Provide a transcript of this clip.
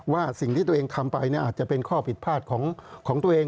ว่าสิ่งที่ตัวเองทำไปอาจจะเป็นข้อผิดพลาดของตัวเอง